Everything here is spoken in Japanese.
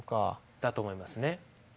だと思いますね。